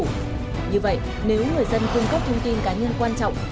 như vậy nếu người dân cung cấp thông tin cá nhân quan trọng